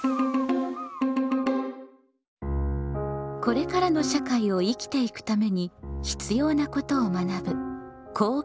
これからの社会を生きていくために必要なことを学ぶ「公共」。